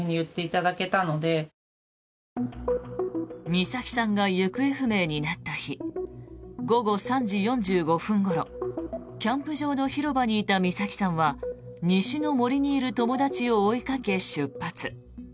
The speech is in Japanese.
美咲さんが行方不明になった日午後３時４５分ごろキャンプ場の広場にいた美咲さんは西の森にいる友達を追いかけ出発。